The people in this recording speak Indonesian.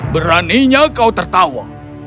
beraninya kau tertawa